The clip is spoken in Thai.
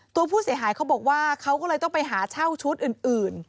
ตัวผู้เสียหายเขาบอกว่าเขาก็เลยต้องไปหาเช่าชุดอื่น